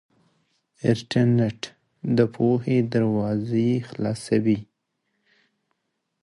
انټرنيټ د پوهې دروازې خلاصوي.